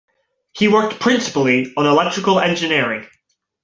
He worked principally on electrical engineering.